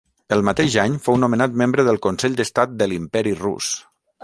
El mateix any, fou nomenat membre del Consell d'Estat de l'Imperi rus.